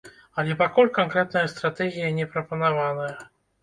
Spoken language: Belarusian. Але пакуль канкрэтная стратэгія не прапанаваная.